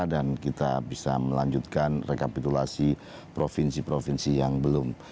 dan kita bisa melanjutkan rekapitulasi provinsi provinsi yang belum